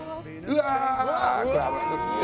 「うわ！」